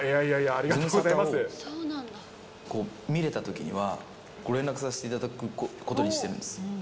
ズムサタを見れたときにはご連絡させていただくことにしてるんです。